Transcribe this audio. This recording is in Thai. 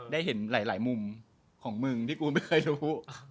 ได้เห็นหลายมุมของมึงที่กูไม่เคยรู้